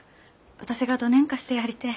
私がどねんかしてやりてえ。